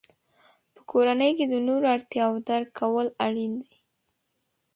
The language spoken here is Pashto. په کورنۍ کې د نورو اړتیاوو درک کول اړین دي.